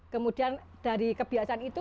kemudian dari kebiasaan itu